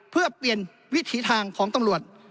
เพื่อเปลี่ยนวิถีทางของตำรวจ